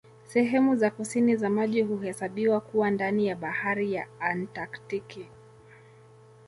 Sehemu za kusini za maji huhesabiwa kuwa ndani ya Bahari ya Antaktiki.